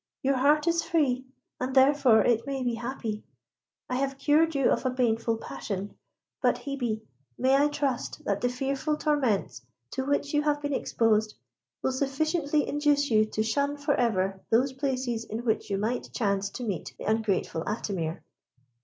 Your heart is free, and therefore it may be happy. I have cured you of a baneful passion; but, Hebe, may I trust that the fearful torments to which you have been exposed will sufficiently induce you to shun for ever those places in which you might chance to meet the ungrateful Atimir."